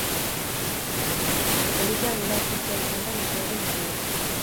Satelitean ura aurkitzea izan da misioaren helburua.